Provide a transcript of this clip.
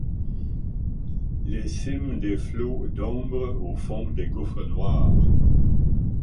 Les cimes des flots d’ombre au fond des gouffres noirs